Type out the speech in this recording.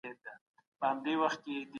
علمي څېړنه تر افسانو خورا باوري ده.